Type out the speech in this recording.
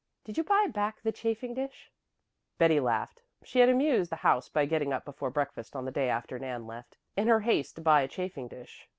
Did you buy back the chafing dish?" Betty laughed. She had amused the house by getting up before breakfast on the day after Nan left, in her haste to buy a chafing dish.